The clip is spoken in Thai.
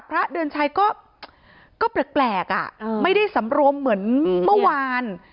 พระเดือนชัยก็แปลกอ่ะไม่ได้สำรวมเหมือนเมื่อวาน